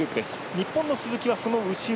日本の鈴木はその後ろ。